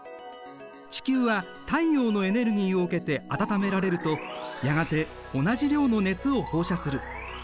地球は太陽のエネルギーを受けて暖められるとやがて同じ量の熱を放射する。